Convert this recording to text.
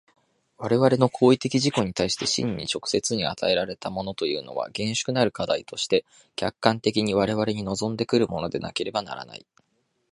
我々の行為的自己に対して真に直接に与えられたものというのは、厳粛なる課題として客観的に我々に臨んで来るものでなければならない。